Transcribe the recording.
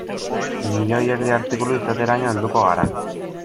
Milioi erdi artikulu izateraino helduko gara.